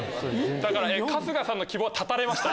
春日さんの希望は絶たれました。